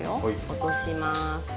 落とします。